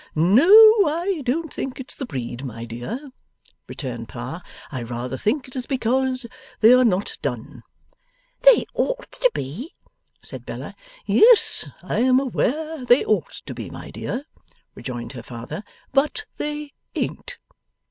'No, I don't think it's the breed, my dear,' returned Pa. 'I rather think it is because they are not done.' 'They ought to be,' said Bella. 'Yes, I am aware they ought to be, my dear,' rejoined her father, 'but they ain't.